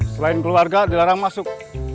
selain keluarga dilarang masuk